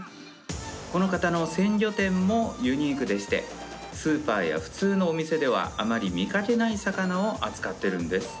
この方の鮮魚店もユニークでしてスーパーや普通のお店ではあまり見かけない魚を扱っているんです。